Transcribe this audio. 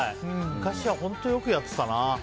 昔は本当、よくやってたな。